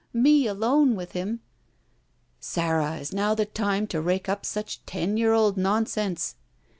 Me alone with him —" "Sara, is now time to rake up such ten year old nonsense!"